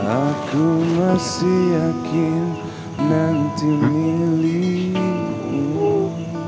aku masih yakin nanti milikmu